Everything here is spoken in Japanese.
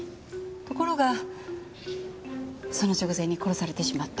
ところがその直前に殺されてしまった。